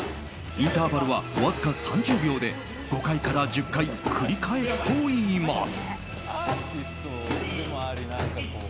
インターバルはわずか３０秒で５回から１０回繰り返すといいます。